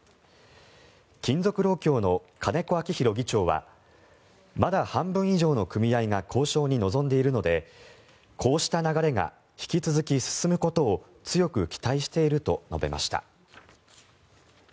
金属労協の金子晃浩議長はまだ半分以上の組合が交渉に臨んでいるのでこうした流れが引き続き進むことを強く期待していると述べました。